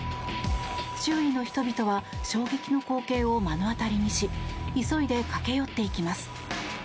周囲の人々は衝撃の光景を目の当たりにし急いで駆け寄っていきます。